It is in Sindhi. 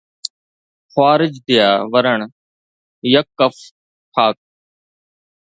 خوارج ديا ورڻ: يڪ ڪف- خاڪ